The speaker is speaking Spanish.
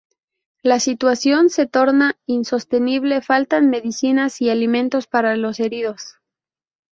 La situación se torna insostenible, faltan medicinas y alimentos para los heridos.